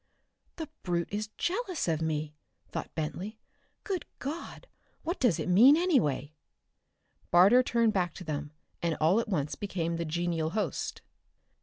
"The brute is jealous of me!" thought Bentley. "Good God, what does it mean, anyway?" Barter turned back to them and all at once became the genial host.